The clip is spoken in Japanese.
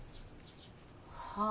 はあ。